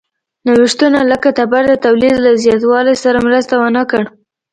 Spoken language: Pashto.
نوښتونه لکه تبر د تولید له زیاتوالي سره مرسته ونه کړه.